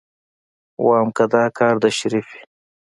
ويم که دا کار د شريف وي.